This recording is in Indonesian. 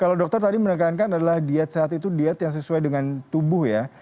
kalau dokter tadi menekankan adalah diet sehat itu diet yang sesuai dengan tubuh ya